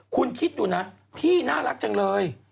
คุณคิดดูนะพี่น่ารักจังเลย